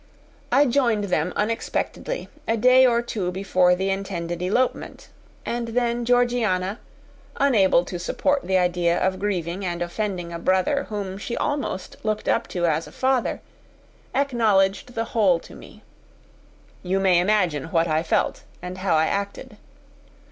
I joined them unexpectedly a day or two before the intended elopement; and then Georgiana, unable to support the idea of grieving and offending a brother whom she almost looked up to as a father, acknowledged the whole to me. You may imagine what I felt and how I acted.